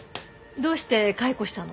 どうして解雇したの？